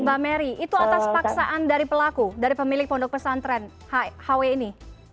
mbak mary itu atas paksaan dari pelaku dari pemilik pondok pesantren hw ini